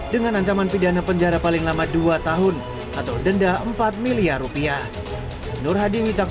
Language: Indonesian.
dengan ancaman pidana penjara paling lama dua tahun atau denda empat miliar rupiah